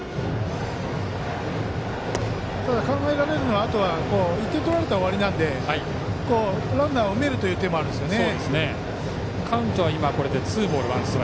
ただ考えられるのは１点取られたら終わりなのでランナーを埋めるという手もあるんですね。